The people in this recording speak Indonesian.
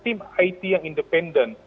tim it yang independen